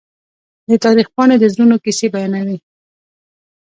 د تاریخ پاڼې د زړورو کیسې بیانوي.